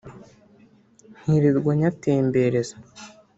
nkirirwa nyatembereza